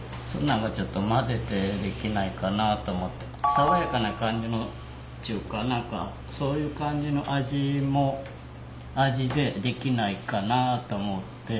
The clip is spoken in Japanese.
爽やかな感じのちゅうか何かそういう感じの味でできないかなあと思って。